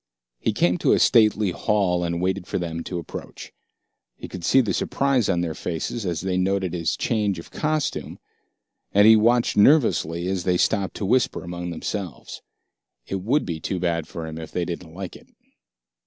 He came to a stately halt and waited for them to approach. He could see the surprise on their faces as they noted his change of costume, and he watched nervously as they stopped to whisper among themselves. It would be too bad for him if they didn't like it.